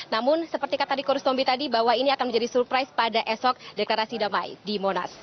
namun seperti katakan riko rustombe tadi bahwa ini akan menjadi surprise pada esok deklarasi damai di monas